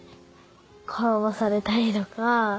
転ばされたりとか。